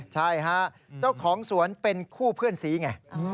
ใช่ฮะเจ้าของสวนเป็นคู่เพื่อนสีไง